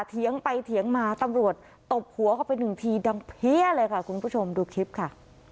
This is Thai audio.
เถียงไปเถียงมาตำรวจตบหัวเข้าไปหนึ่งทีดังเพี้ยเลยค่ะคุณผู้ชมดูคลิปค่ะ